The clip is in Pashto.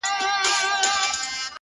ستا د لېمو د نظر سيوري ته يې سر ټيټ کړی!